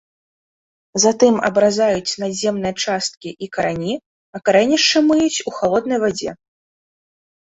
Затым абразаюць надземныя часткі і карані, а карэнішчы мыюць у халоднай вадзе.